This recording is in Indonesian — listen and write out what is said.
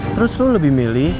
terus lu lebih milih